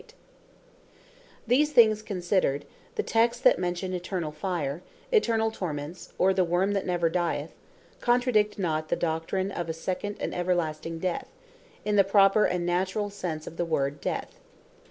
Eternall Torments What These things considered, the texts that mention Eternall Fire, Eternal Torments, or the Word That Never Dieth, contradict not the Doctrine of a Second, and Everlasting Death, in the proper and naturall sense of the word Death.